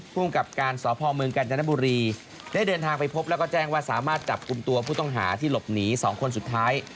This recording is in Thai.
ภูมิกับการสพเมืองกาญจนบุรีได้เดินทางไปพบแล้วก็แจ้งว่าสามารถจับกลุ่มตัวผู้ต้องหาที่หลบหนี๒คนสุดท้าย